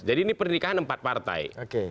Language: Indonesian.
jadi ini pernikahan empat partai